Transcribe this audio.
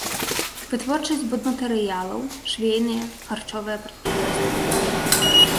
Вытворчасць будматэрыялаў, швейныя, харчовыя прадпрыемствы.